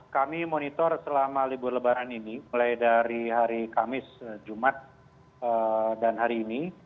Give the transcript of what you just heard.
kami monitor selama libur lebaran ini mulai dari hari kamis jumat dan hari ini